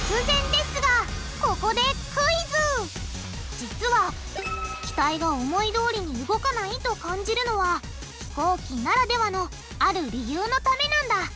実は機体が思いどおりに動かないと感じるのは飛行機ならではのある理由のためなんだ。